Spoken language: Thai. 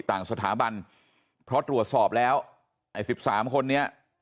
ต่างสถาบันเพราะตรวจสอบแล้วไอ้๑๓คนนี้